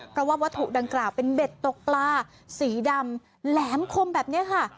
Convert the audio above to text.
เพราะว่าวัตถุดังกล่าวเป็นเบ็ดตกปลาสีดำแหลมคมแบบนี้ค่ะ